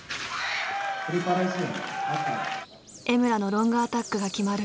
江村のロングアタックが決まる。